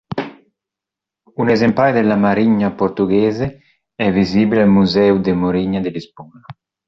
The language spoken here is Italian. Un esemplare della Marinha Portuguesa è visibile al Museu de Marinha di Lisbona.